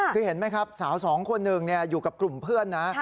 คือเห็นไหมครับสาวสองคนหนึ่งอยู่กับกลุ่มเพื่อนนะ